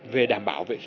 về đảm bảo vệ sinh nhật